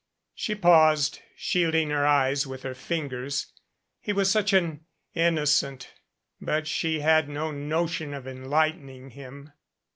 She paused, shielding her eyes with her fingers. He was such an innocent. But she had no notion of enlight ening him.